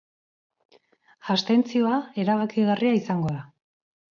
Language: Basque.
Abstentzioa erabakigarria izango da.